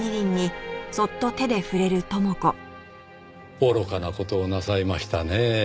愚かな事をなさいましたね。